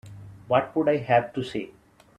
What would I have to say?